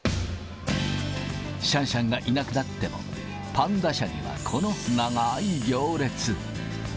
シャンシャンがいなくなっても、パンダ舎にはこの長い行列。